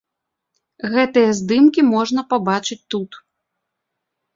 Гэтыя здымкі можна пабачыць тут.